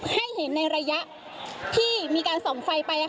ให้เห็นในระยะที่มีการส่องไฟไป